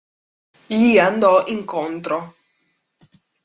Gli andò incontro.